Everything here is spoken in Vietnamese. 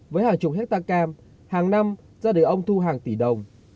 với hàng chục hectare cam hàng năm ra đời ông thu hàng tỷ đồng